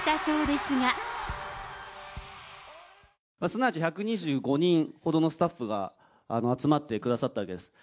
すなわち１２５人ほどのスタッフが集まってくださったわけです。